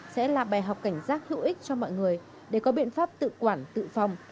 sẽ là bài học cảnh giác hữu ích cho mọi người để có biện pháp tự quản tự phòng